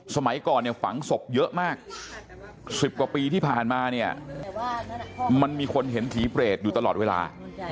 สมัยก่อนเนี่ยฝังศพเยอะมาก๑๐กว่าปีที่ผ่านมาเนี่ยมันมีคนเห็นผีเปรตอยู่ตลอดเวลา